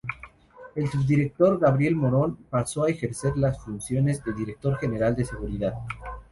El subdirector Gabriel Morón pasó a ejercer las funciones de Director general de Seguridad.